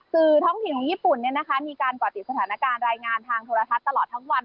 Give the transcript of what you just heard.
สื่อท้องถิ่นของญี่ปุ่นมีการก่อติดสถานการณ์รายงานทางโทรทัศน์ตลอดทั้งวัน